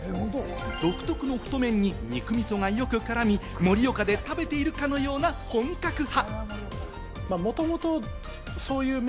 独特の太麺に肉みそがよく絡み、盛岡で食べているかのような本格派。